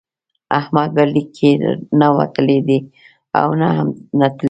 احمد به لیک کې نه وتلی دی او نه هم نتلی.